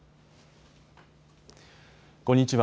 こんにちは。